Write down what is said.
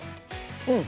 うん！